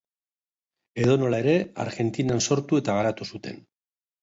Edonola ere, Argentinan sortu eta garatu zuten.